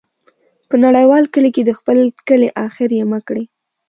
په نړیوال کلي کې د خپل کلی ، اخر یې مه کړې.